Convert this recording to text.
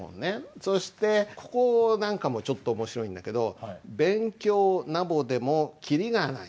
そしてここなんかもちょっと面白いんだけど「べんきょうなぼでもきりがない」。